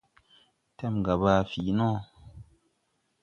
Tɛmga baa fǐi no.